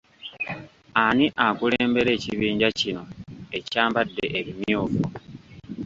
Ani akulembera ekibinja kino ekyambadde ebimyufu?